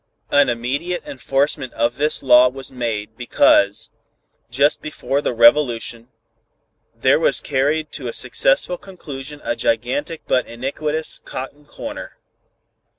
An immediate enforcement of this law was made because, just before the Revolution, there was carried to a successful conclusion a gigantic but iniquitous cotton corner.